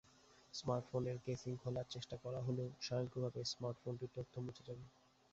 স্মার্টফোনটির casing খোলার চেষ্টা করা হলেও স্বয়ংক্রিয়ভাবে স্মার্টফোনটির তথ্য মুছে যাবে।